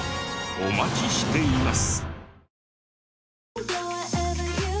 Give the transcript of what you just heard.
お待ちしています。